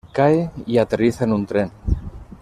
Cae, y aterriza en un tren.